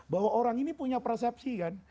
bahwa orang ini punya persepsi kan